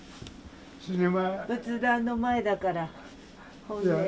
仏壇の前だからねえ。